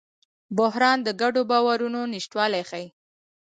بحران د ګډو باورونو نشتوالی ښيي.